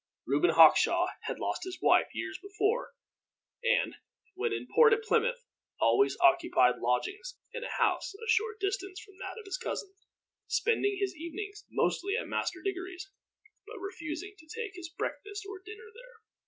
Reuben Hawkshaw had lost his wife years before and, when in port at Plymouth, always occupied lodgings in a house a short distance from that of his cousin; spending his evenings mostly at Master Diggory's, but refusing to take his breakfast or dinner there.